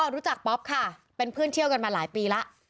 รู้จักป๊อปค่ะเป็นเพื่อนเที่ยวกันมาหลายปีแล้ว